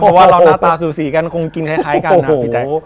เพราะว่าเราหน้าตาสูสีกันคงกินคล้ายกันนะพี่แจ๊ค